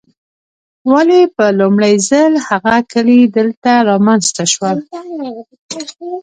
ولې په لومړي ځل هغه کلي دلته رامنځته شول.